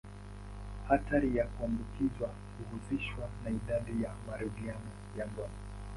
Hatari ya kuambukizwa huhusishwa na idadi ya marudio ya ngono.